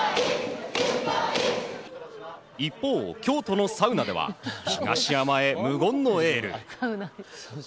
一方、京都のサウナでは東山へ無言のエール。